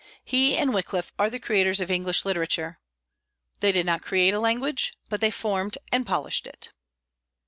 He and Wyclif are the creators of English literature. They did not create a language, but they formed and polished it.